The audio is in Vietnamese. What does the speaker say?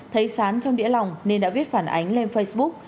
thấy sán trong đĩa lòng nên đã viết phản ánh lên facebook